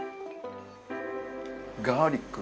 ガーリック。